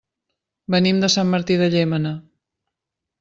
Venim de Sant Martí de Llémena.